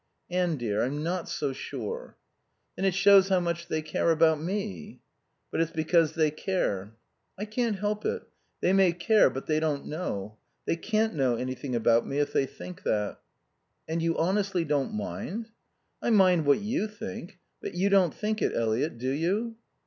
"Anne dear, I'm not so sure." "Then it shows how much they care about me." "But it's because they care." "I can't help it. They may care, but they don't know. They can't know anything about me if they think that." "And you honestly don't mind?" "I mind what you think. But you don't think it, Eliot, do you?"